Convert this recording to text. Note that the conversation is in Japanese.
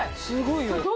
すごいよ。